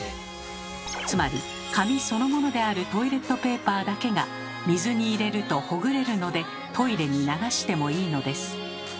つまり紙そのものであるトイレットペーパーだけが水に入れるとほぐれるのでトイレに流してもいいのです。